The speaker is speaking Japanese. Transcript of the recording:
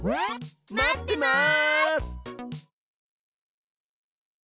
待ってます！